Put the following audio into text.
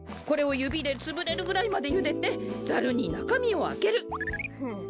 これをゆびでつぶれるぐらいまでゆでてザルになかみをあける。